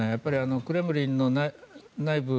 クレムリンの内部